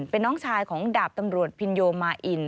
เป็นน้องชายของดาบตำรวจพินโยมาอิน